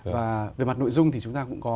và về mặt nội dung thì chúng ta cũng có